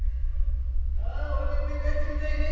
あ俺もいっぺん帰ってみたいねえ。